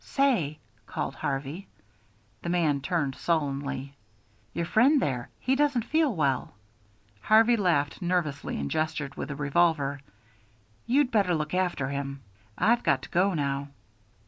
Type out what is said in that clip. "Say," called Harvey. The man turned sullenly. "Your friend there he doesn't feel well," Harvey laughed nervously and gestured with the revolver; "you'd better look after him. I've got to go now."